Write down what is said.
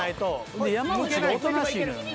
［ほんで山内がおとなしいのよね］